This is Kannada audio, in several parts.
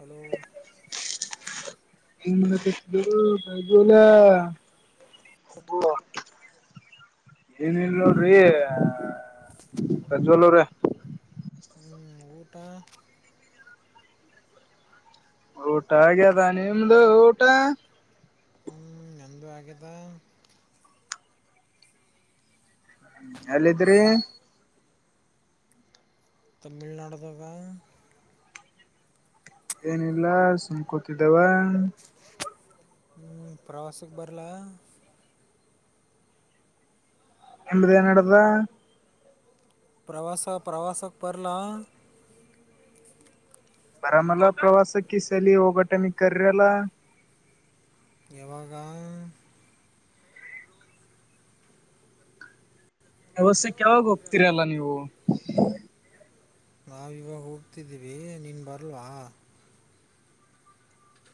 ಹಲೋ [unintelligible] ಈ ಬಲ ಹ ಏನ ಇಲ್ೋ್ರೀ ಪ್ರಜ್ವಲ್ ಅವ್ರ ಹ್ಮ್ ಊಟಾ ಊಟ ಆಗ್ಯದ ನಿಮ್ದು ಊಟ ಹ್ಞ ನಂದು ಆಗದ ಎಲ್ಲಿದ್ರಿ ತಮಿಳ್ನಾಡು್ದಾಗ ಏನಿಲ್ಲ ಸುಂಕೋತಿದ್ದವ ಹ್ಮ್ ಪ್ರವಾಸಕ್ಕೆ ಬರಲ ಎಮ್ಮ್ದ ಏನಡ್ದ ಪ್ರವಾಸ ಪ್ರವಾಸಕ್ಕೆ ಪರ್ಲ ಬರ ಮಲ್ಲ ಪ್ರವಾಾಸಕ್ಕೆ ಸಲಿ ಓಗಟನ ಕ್ರಲ್ಲ ಯಾವಾಗ ವ್ಯವಸ್ಥ್ಯಕ್ಕೆ ಯಾವಾಗ ಹೋಗ್ತೀರ ಅಲ್ಲ ನೀವು ನಾವು ಇವಾಗ ಹೋಗಡ್ತಿದ್ದೀವಿ ನೀನು ಬರಲ್ವಾ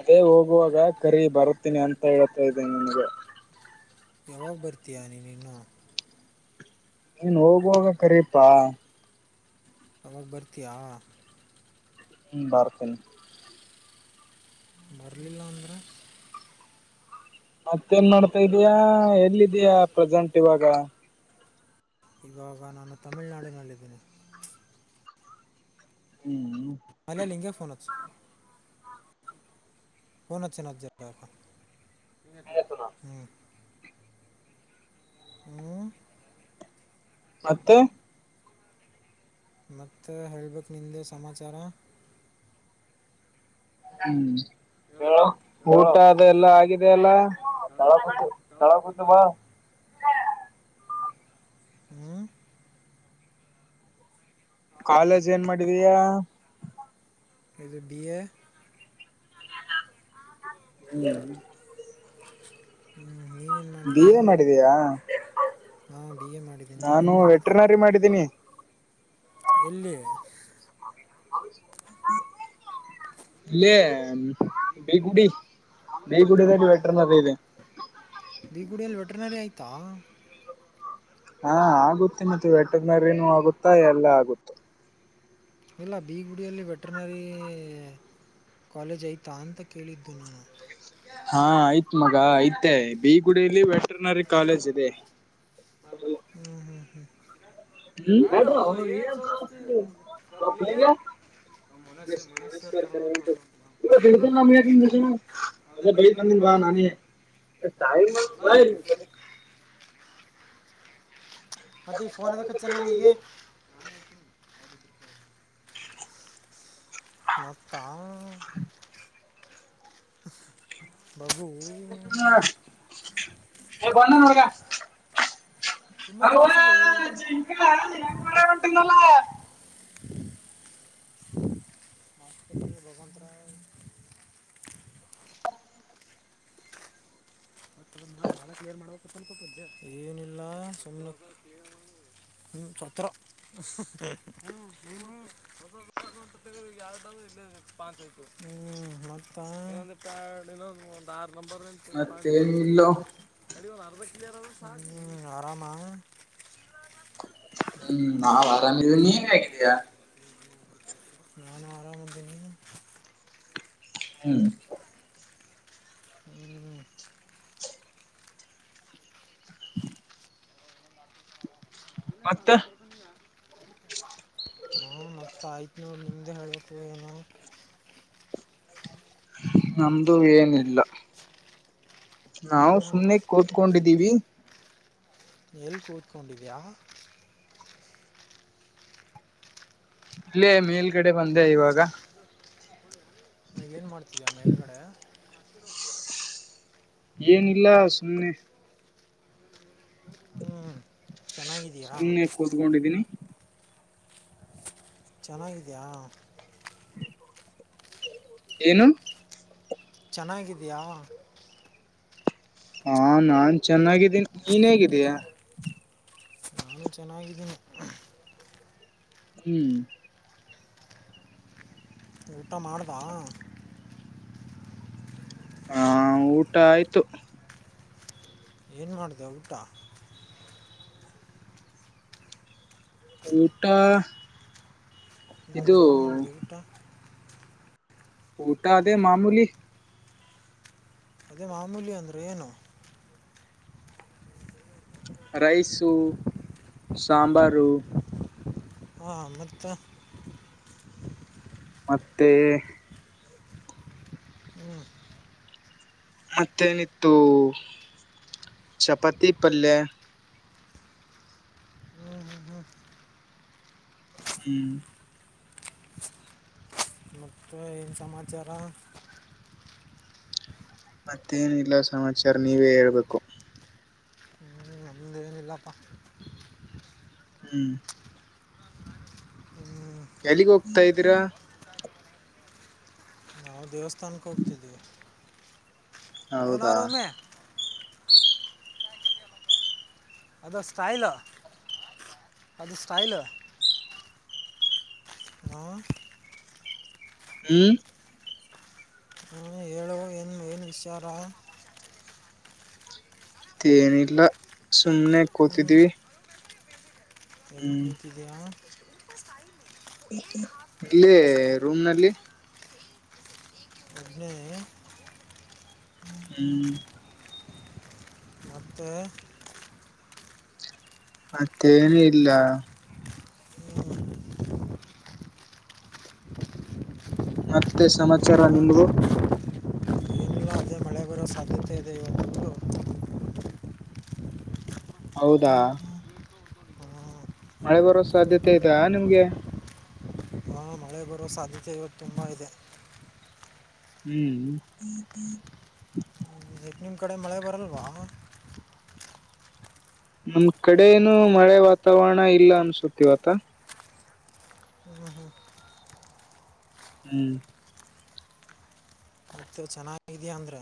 ಅದೇ ಹೋಗುವಾಗ ಕರಿ ಬರ್ತೀನಿ ಅಂತ ಹೇಳ್ತಾ ಇದ್ದೀನಿ ನನ್ಗೆ ಯಾವಾಗ ಬರ್ತೀಯ ನೀ ಇನ್ನು. ನೀನ್ ಹೋಗುವಾಗ ಕರೀಪಾ, ಅವಾಗ ಬರ್ತೀಯಾ. ಹ್ಮ ಬರ್ತೀನಿ. ಬರಲಿಲ್ಲ ಅಂದ್ರ. ಮತ್ತೇನ್ ಮಾಡ್ತಾ ಇದ್ದೀಯಾ ಎಲ್ಲಿದೀಯಾ ಪ್ರೆಸೆಂಟ್ ಇವಾಗ. ಇವಾಗ ನಾನು ತಮಿಳ್ನಾಡನಲ್ಲಿದ್ದೀನಿ. ಹ್ಮ್. ಮಲ್ಯ ನಿಂಗೆ ಫೋನ್ ಹಚ್ಚು. ಫೋನ್ ಅಚ್ಚು ನಾ ಜರ ಹೇಳ್ತಾ. ಆಯ್ತು ನಾ ಹ್ಮ ಹ್ಮ, ಮತ್ತೆ, ಮತ್ತೆ ಹೇಳ್ಬಕ್ ನಿಂದೆ ಸಮಾಚಾರ. ಹ್ಮ್ ಊಟ ಅದ ಎಲ್ಲಾ ಆಗಿದೆ ಅಲ್ಲ. [unintelligible] ಹ್ಮ, ಕಾಲೇಜ್ ಏನ್ ಮಾಡಿದಿಯಾ, ಇದು ಬಿ ಎ. ಹ್ಮ. [inaudible] B A ಮಾಡಿದಿಯಾ. ಹಾ ಬಿ ಎ ಮಾಡಿದೀನಿ ನೀನ್ ಏನ್ ಮಾಡಿದಿಯಾ. ವೆಟ್ರನರಿ ಮಾಡಿದ್ದೀನಿ ಎಲ್ಲಿ, ಬಿ ಎ. ಬಿಗುಡಿ ಬಿಗುಡಿದಲ್ಲಿ ವೆಟರ್ನರಿ ಇದೆ. ಬಿಗುಡಿಯಲ್ಲಿ ವೆಟ್ರನರಿ ಆಯ್ತಾ. ಹಾ ಆಗುತ್ತೆ ಮತ್ತೆ ವೆಟರ್ನರಿನು ಆಗುತ್ತಾ ಎಲ್ಲಾ ಆಗುತ್ತ. ಇಲ್ಲ ಬಿಗುಡಿಯಲ್ಲಿ ವೆಟ್ರನರಿ ಕಾಲೇಜ್ ಐತಾ ಅಂತ ಕೇಳಿದ್ದು ನಾನು. ಹಾ ಆಯತ್ ಮಗ ಐ್ತ ಬೀಗುಡಲ್ಲಿ ವೆಟರ್ನರಿ ಕಾಲೇಜ್ ಇದೆ. ಹ್ಮ್, ಹ್ಮ್, ಹ್ಮ್ ನಡ್ರಹೋ ಏನ್ ಸೋಸ್ತದೊ [unintelligible] ಹ್ಮ್ ನ್ ಮನಶ್ ಮನೇಶ್ ಸರ್ ಕರದರಂತ ಹ [unintelligible] ಮತ್ ಅದೇ ಇಡ್ತನ್ ನಮ್ ಯಾಕ್ಹಿಂಗ್ [unintelligible] ಅದೇ ಬೈದ್ ಬಂದೀನನೀ ಬಾ ನಾನೇ ಟೈಮ್ ಬಾ ಇಲ್ಲಿ. ಮತ್ತೆ ಈಗ ಫೋನ್ ಎದಕ್ಕ ಹಚ್ಯಾನ್ ನನಗ್ ಈಗ. ಮತ್ತಾ, [inaudible] [inaudible] ಸುಮ್ಮನೆ ಅರುಣಾ ಎದುರಿಸೋದು ಜಿಂಕಾ ಇವನ್ನ ಗುಡ ಹೋಟಿದ್ನಲ್ಲಾ. [unintelligible] ಭಗವಂತರಾಯ. ಏನ್ ಇಲ್ಲ ಸುಮ್ನೆ, ಹ್ಮ ಛತ್ರ, ಹ್ಮ ಮತ್ತ. ಆರ್ ನಂಬರ್ ಇಂದ್ ಮತ್ತೇನಿಲ್ಲಾ. ಹ್ಮ ಆರಾಮ. ಹ್ಮ ನಾವ್ ಅರಾಮವಿ ನೀವು ಹೇಗಿದ್ದೀಯ. ನಾ ನ ಆರ ಮುಂದ ನೀ ಹ್ಮ್ ಹ್ಮ ಮತ್ತ ಇಲ್ಲ ಹ ಹ ಮತ್ತ ಆಯ್ತ್ ನೂರು ನಿಮ್ದೆ ಹೇಳ್ಬೇಕು ಏನು ನಮ್ದು ಏನಿಲ್ಲ ನಾವು ಹ್ಞೂ ಸುನೆ ಕ ಕತ್ಕೊಂಡಿದ್ದೀವಿ ಎಲ್ಲಿ ಕೂತ್ಕೊಂಡಿದಯಾ ಇಲ್ಲೇ ಮೇಲ್ಗಡೆ ಬಂದೆ ಇವಾಗ ನೀಗ ಏನ್ ಮಾಡ್ತಿದಾ ಮೇಲುಗಡೆ ಏನಿಲ್ಲ ಸುಮ್ನೆ ಹ್ಮ್ ಚೆನ್ನಾಗಿದಯಾ ಸುಮ್ನೆ ಕೂತ್ಕೊಂಡಿದ್ದೀನಿ ಚೆನ್ನಾಗಿದ್ಯಾಾ ಏನು ಚೆನ್ನಾಗಿದೆಯಾ ಹಾ ನಾನ್ ಚೆನ್ನಾಗಿದ್ದೀನಿ ನೀನ್ ಹೇಗಿದೀಯಾ ನಾನು ಚೆನ್ನಾಗಿದ್ದೀನಿ ಹ್ಮ್ ಊಟ ಮಾಡ್ದ ಹ ಊಟ ಆಯ್ತು ಏನು ಮಾಡಿದೆ ಊಟ ಊಟ ಹ ಇದು ಏನು ಮಾಡಿದೆವಿ ಊಟ ಊಟ ಅದೇ ಮಾಮಲಿ ಅದೇ ಮಾಮೂಲಿ ಅಂದ್ರೆ ಏನು ರೈಸು ಸಾಂಬಾರು ಹಾ ಮತ್ತ ಮತ್ತು ಹ್ಮ್ ಮತ್ತೇನಿತ್ತು ಚಪಾತಿ ಪಲ್ಯ ಹ್ಮ್ ಹ್ಮ್ ಹ್ಮ್ ಹ್ಮ್ ಮತ್ತು ಏನು ಸಮಾಚಾರ ಮತ್ತೇನಿಲ್ಲ ಸಮಾಚಾರ ನೀವೇ ಹೇಳ್ಬೇಕು ನಮ್ದೇಏನಿಲ್ಲಪ್ಪ ಹ್ಮ್ ಎಲ್ಲಿಗೆ ಹೋಗ್ತಾ ಇದ್ದೀರಾ ನಾವು ದೇವಸ್ಥಾನಕ್ಕೆ ಹೋಗ್ತಿದ್ದೀವಿ ಹೌದಾ ಏನಾರು ಒಮ್ಮೆ ಅದು ಸ್ಟೈಲ ಅದು ಸ್ಟೈಲ್ ಹಾ ಹ್ಮ್ ನ ಹೇಳುವ ಏನು ಏನು ವಿಚಾರ ತ್ತೇನಿಲ್ಲ ಸುಮ್ನೆ ಕೂತಿದ್ದೀವಿ ಯಲಿ ಕೂತಿದಾ ಫಸ್ಟ್ ಐತ ಇಲ್ಲಿ ರೂಮ್ ನಲ್ಲಿ ಇನೆ ಹ್ಮ್ ಮತ್ತು ಮತ್ತೇನ ಇಲ್ಲ ಮತ್ತೆ ಸಮಾಚಾರ ನಿಮ್ದು ಬಗರ ಸಾಧತೆದೆು [unintelligible] ಹೌದಾ ಹ್ಮ್. ಮಳೆ ಬರೋ ಸಾಧ್ಯತೆ ಇತಾ ನಿಮ್ಗೆ ಹಾ, ಮಳೆ ಬರುವ ಸಾಧ್ಯತೆ ಇವತ್ತು ತುಂಬಾ ಇದೆ ಹ್ಮ್ ಎಷ್ಟು ನಿಮ್ಮ ಕಡೆ ಮಳೆ ಬರಲ್ವಾ ನಮ್ ಕಡೆ ಏನು ಮಳೆ ವಾತಾವರಣ ಇಲ್ಲ ಅನ್ಸತಿವತ ಹ್ಮ ಹ್ಮ ಹ್ಮ್ ಮತ ಚೆನ್ನಾಗಿದೆಯಾ ಅಂದ್ರೆ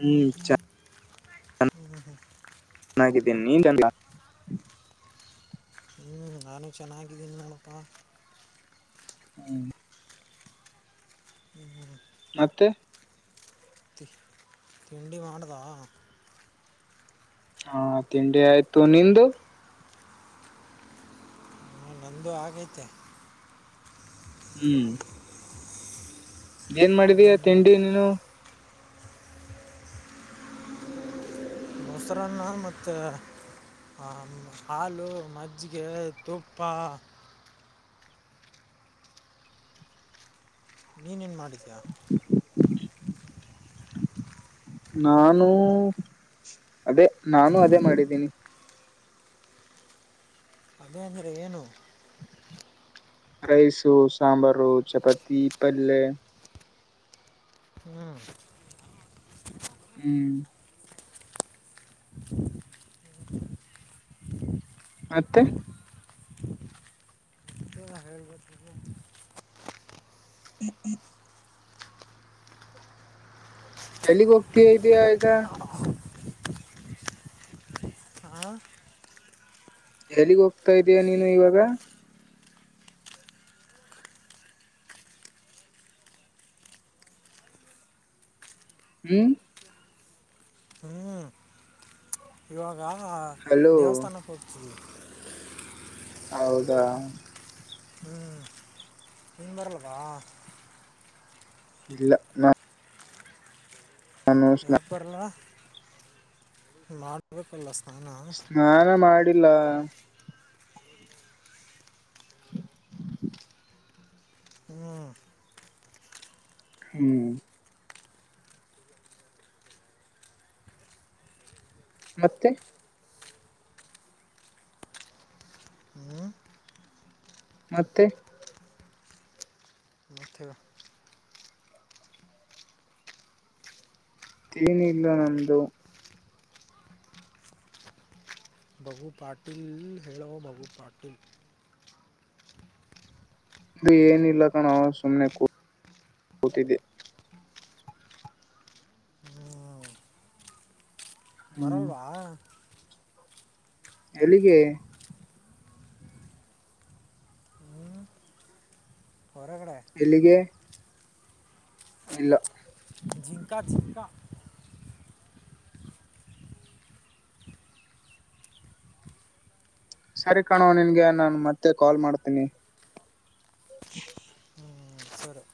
ಹ್ಮ್ ಚ ಹ್ಮ ಚೆನ್ನಾಗಿದ್ದೀನಿದಿ ನಿನೆಲ್ಲ ಹ ನಾನು ಚೆನ್ನಾಗಿದ್ದೀನಿ ನೋಡ ಪ್ಪ ಹ್ಮ್ [inaudible] ಮತ್ತೆ ತಿ ತಿಂಡಿ ಮಾಡಿದ್ಯಾ ಹಾ ತಿಂಡಿ ಆಯ್ತು ನಿಂದು ನಂದು ಆಗೈತೆ ಹ್ಮ್ ಏನ್ ಮಾಡಿದೀಯ ತಿಂಡಿ ನೀನು ಮೊಸರನ್ನ ಮತ್ತ ಹ ಹಾಲು ಮಜ್ಜಿಗೆ ತುಪ್ಪ ನೀನೇನು ಮಾಡಿದಯಾ [unintelligible] ನಾನು ಅದೇ ನಾನು ಅದೇ ಮಾಡಿದ್ದೀನಿ ಅದೇ ಅಂದ್ರೆ ಏನು ರೈಸು ಸಾಂಬಾರು ಚಪಾತಿ ಪಲೆ ಹ್ಮ್ ಹ್ಮ್ ಮತ್ತೆ [unintelligible] [unintelligible] ಎಲ್ಲಿಗ್ ಹೋಗ್ತಾ ಇದೆಯಾ ಈಗ ಹಾಂ ಎಲ್ಲಿಗ್ ಹೋಗ್ತಾ ಇದೀಯಾ ನೀನು ಇವಾಗ ಹ್ಮ್ ಹ್ಮ್ ಇವಾಗ ಹಲೋ ದೇವಸ್ಥಾನಕ್ಕೆ ಹೋಗತಿದೆ ಹೌದಾ ಹ್ಞೂ ಹ ಬರಲ್ಲವಾ ಇಲ್ಲ ನಾ ಹೇಳಕ್ ಬರಲ್ಲ [unintelligible] ಸ್ನಾನ ಮಾಡಿಲ್ಲಾ ಹ್ಮ್ಂ ಹ್ಮ್ ಮತ್ತೆ ಹೂ ಮತ್ತೆ ಮಥೆನ [unintelligible] ಇಲ್ಲಾ ನಂದು ಬಗು ಪಾಟೀಲ್ ಹೇಳವ ಬಗು ಪಾಟೀಲ್ ಇದು ಏನ ಇಲ್ಲ ಕಣೋ ಅವ ಸುಮ್ನೆ ಕೂತ್ತಿದ್ದೆ ಹ್ಞೂ ಹ್ಮ್ ಬರಲ್ವಾ ಎಲ್ಲಿಗೆ ಹೊರಗಕಡೆ ಎಲ್ಲಿಗೆ ಇಲ್ಲಾ ಜಿಂಕಾ ಜಿಂಕಾ ಸರಿ ಕಾಣೋ ನಿನ್ಗೆ ನಾನ್ ಮತ್ತೆ ಕಾಲ್ ಮಾಡ್ತೀನಿ ಹ್ಞೂ ಸರಿ